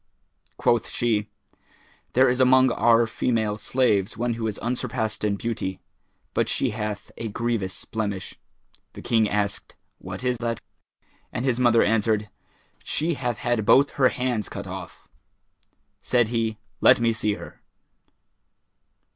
Quoth she, "There is among our female slaves one who is unsurpassed in beauty; but she hath a grievous blemish." The King asked, "What is that?" and his mother answered, "She hath had both her hands cut off." Said he, "Let me see her."